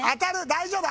大丈夫。